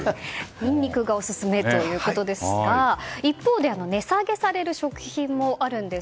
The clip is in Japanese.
ニンニクがオススメということですが一方で値下げされる食品もあるんです。